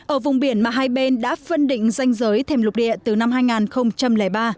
ở vùng biển mà hai bên đã phân định danh giới thêm lục địa từ năm hai nghìn ba